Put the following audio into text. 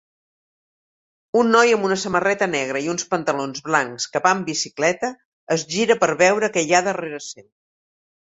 Un noi amb una samarreta negra i uns pantalons blancs que va en bicicleta es gira per veure què hi ha darrera seu